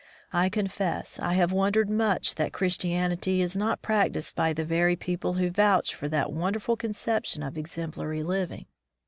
I confess I have wondered much that Christianity is not practised by the very people who vouch for that wonderful conception of exemplary living.